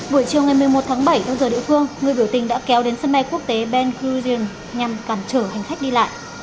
buổi chiều ngày một mươi một tháng bảy theo giờ địa phương người biểu tình đã kéo đến sân bay quốc tế ben gurion nhằm cản trở hành khách đi lại